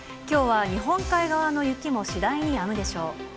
きょうは日本海側の雪も次第にやむでしょう。